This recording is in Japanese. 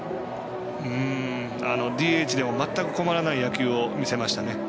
ＤＨでも全く困らない野球を見せましたね。